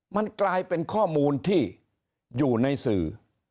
มันกลายเป็นข้อมูลที่อยู่ในสื่อ